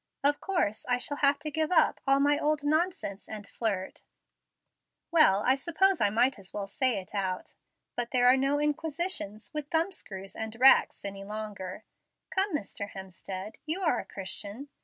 Of course I shall have to give up all my old nonsense and flirt Well, I suppose I might as well say it out. But there are no Inquisitions, with thumbscrews and racks, any longer. Come, Mr. Hemstead, you are a Christian.